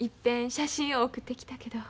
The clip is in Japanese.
写真を送ってきたけど。